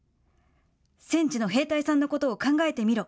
戦地の兵隊さんのことを考えてみろ！